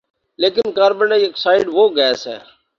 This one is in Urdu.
لیکن کاربن ڈائی آکسائیڈ وہ گیس ہے